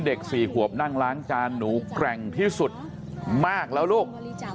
เด็ก๔ขวบนั่งล้างจานหนูแกร่งที่สุดมากแล้วลูก